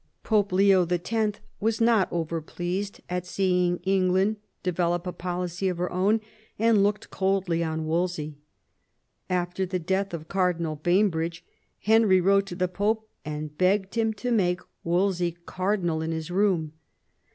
Pope Leo X. was not over pleased at seeing England develop a policy of her own, and looked coldly on Wolsey. After the death of Car dinal Bainbridge Henry wrote to the Pope and begged him to make Wolsey cardinal in his room.